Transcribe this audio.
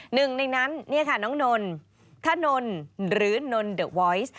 หนึ่งในนั้นนี่ค่ะน้องนนทะนนหรือนนเดอะวอยซ์